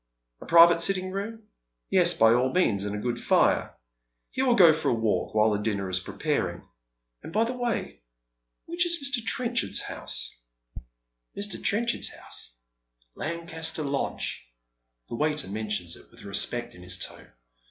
A private sitting room ? Yes, by all means, and a good fire. He will go for a walk while his dinner is prepaiing. And, by the way, which is Mr. Trenchard's house ? ♦♦Mr. Trenchard's house? Lancaster Lodge." The waiter mentions it with respect in his tone.